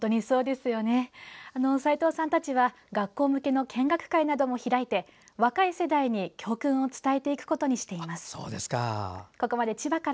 斉藤さんたちは学校向けの見学会なども開いて若い世代に教訓を伝えていくことにしています。